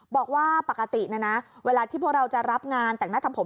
บอกว่าปกตินะนะเวลาที่พวกเราจะรับงานแต่งหน้าทำผม